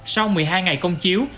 sau một mươi hai ngày công chiếu